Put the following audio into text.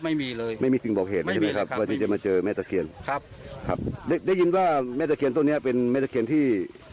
พี่มงคลยังบอกอีกว่าต้นตะเคียนท่อนี้นะยาว๑๗๑๘เมตรนะครับ